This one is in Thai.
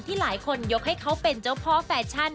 หลายคนยกให้เขาเป็นเจ้าพ่อแฟชั่น